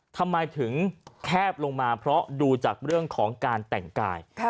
ทำไมถึงแคบลงมาเพราะดูจากเรื่องของการแต่งกาย